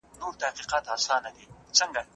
بختیار